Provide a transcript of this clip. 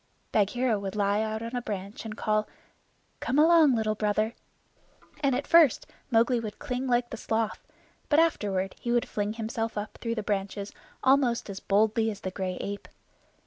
Bagheera would lie out on a branch and call, "Come along, Little Brother," and at first Mowgli would cling like the sloth, but afterward he would fling himself through the branches almost as boldly as the gray ape.